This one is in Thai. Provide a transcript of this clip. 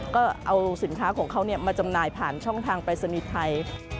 ก็เอาสินค้าของเขามาจำหน่ายผ่านช่องทางปรายศนีย์ไทย